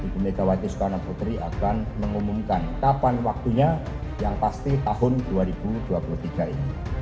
ibu megawati soekarno putri akan mengumumkan kapan waktunya yang pasti tahun dua ribu dua puluh tiga ini